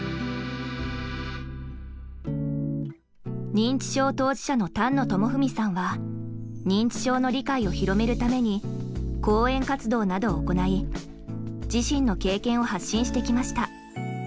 認知症当事者の丹野智文さんは認知症の理解を広めるために講演活動などを行い自身の経験を発信してきました。